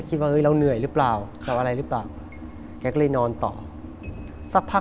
คนข้างนอกอะครับ